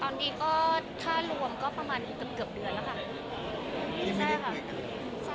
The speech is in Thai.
ตอนนี้ก็ถ้าล้วมก็ประมาณกับเดือดนะคะ